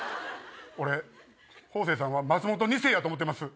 俺方正さんは松本２世やと思うてます。